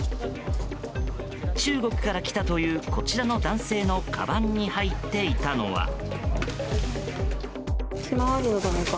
中国から来たというこちらの男性のかばんに入っていたのは。